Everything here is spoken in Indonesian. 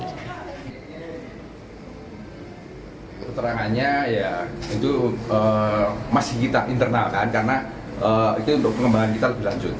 keterangannya ya itu masih kita internalkan karena itu untuk pengembangan kita lebih lanjut